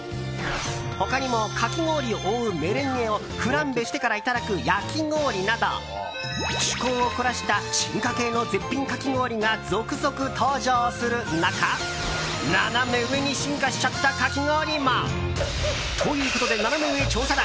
他にも、かき氷を覆うメレンゲをフランベしてからいただく焼き氷など趣向を凝らした進化系の絶品かき氷が続々登場する中ナナメ上に進化しちゃったかき氷も。ということで、ナナメ上調査団